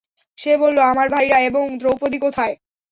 সে বললো আমার ভাইরা এবং দ্রৌপদী কোথায়?